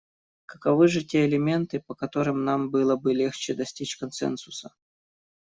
Каковы же те элементы, по которым нам было бы легче достичь консенсуса?